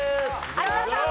有田さん。